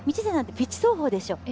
ピッチ走法でしょ。